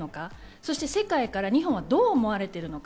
そして世界から日本はどう思われているのか。